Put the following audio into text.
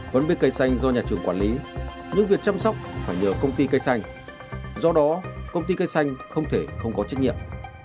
vấn đề cây xanh do nhà trường quản lý nhưng việc chăm sóc phải nhờ công ty cây xanh do đó công ty cây xanh không thể không có trách nhiệm